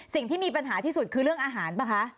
สิ่งที่มีปัญหาที่สุดคือเรื่องอาหารป่ะคะ